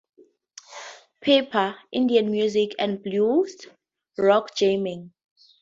Pepper, Indian music, and blues-rock jamming.